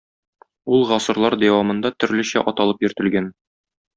Ул гасырлар дәвамында төрлечә аталып йөртелгән.